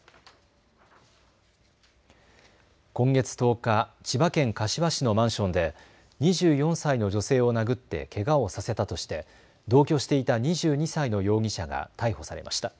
今月１０日、千葉県柏市のマンションで２４歳の女性を殴ってけがをさせたとして同居していた２２歳の容疑者が逮捕されました。